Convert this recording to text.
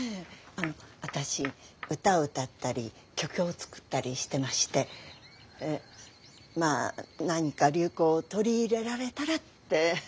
あの私歌を歌ったり曲を作ったりしてましてまあ何か流行を取り入れられたらって。